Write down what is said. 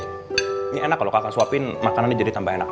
ini enak kalau kakak suapin makanannya jadi tambah enak